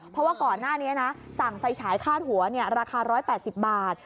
เพราะว่าก่อนหน้านี้นะสั่งไฟฉายคาดหัวราคา๑๘๐บาท